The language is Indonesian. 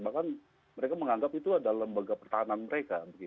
bahkan mereka menganggap itu adalah lembaga pertahanan mereka